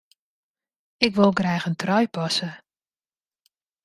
Ik wol graach in trui passe.